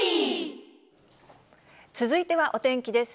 続いてはお天気です。